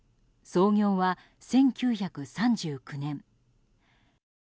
創業は１９３９年。